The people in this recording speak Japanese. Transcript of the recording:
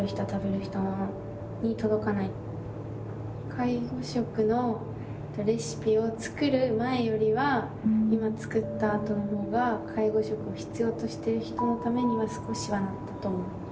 介護食のレシピを作る前よりは今作ったあとの方が介護食を必要としている人のためには少しはなったと思います。